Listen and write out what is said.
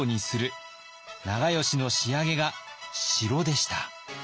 長慶の仕上げが城でした。